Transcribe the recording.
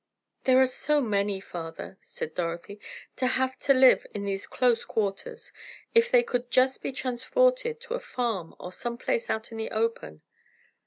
"There are so many, father," said Dorothy, "to have to live in these close quarters. If they could just be transported to a farm, or some place out in the open!"